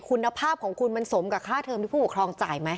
คุณภาพของคุณมันสมกับค่าเทอมที่ผู้ปกครองจ่ายไหม